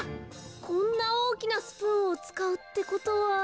こんなおおきなスプーンをつかうってことは。